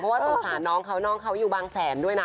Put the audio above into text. เพราะว่าสงสารน้องเขาน้องเขาอยู่บางแสนด้วยนะ